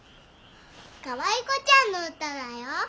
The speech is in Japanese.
かわい子ちゃんの歌だよ。